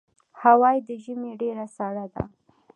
هوا یې د ژمي ډېره سړه ده.